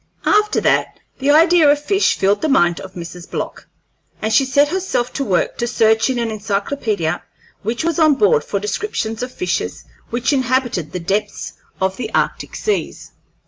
After that the idea of fish filled the mind of Mrs. Block, and she set herself to work to search in an encyclopaedia which was on board for descriptions of fishes which inhabited the depths of the arctic seas.